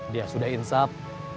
dia sudah insap